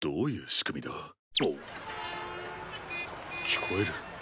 聞こえる。